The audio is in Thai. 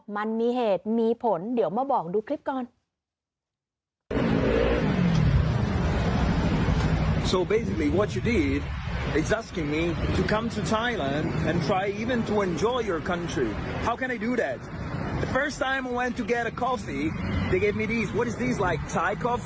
มันมีเหตุมีผลเดี๋ยวมาบอกดูคลิปก่อน